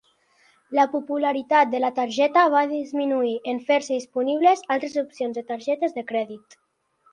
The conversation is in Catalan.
La popularitat de la targeta va disminuir en fer-se disponibles altres opcions de targetes de crèdit.